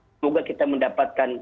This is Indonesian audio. semoga kita mendapatkan